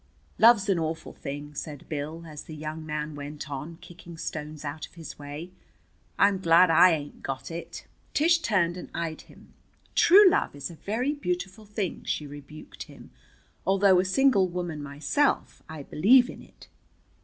"Love's an awful thing," said Bill as the young man went on, kicking stones out of his way. "I'm glad I ain't got it." Tish turned and eyed him. "True love is a very beautiful thing," she rebuked him. "Although a single woman myself, I believe in it.